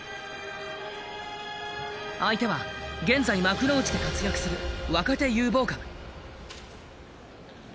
相手は現在幕内で活躍する若手有望株。